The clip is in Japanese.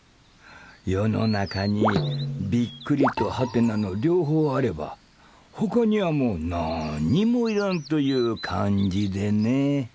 世の中に「！」と「？」の両方あればほかにはもう何にもいらんという感じでね。